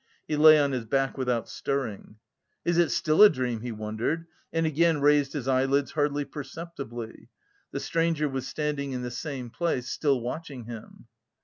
He lay on his back without stirring. "Is it still a dream?" he wondered and again raised his eyelids hardly perceptibly; the stranger was standing in the same place, still watching him.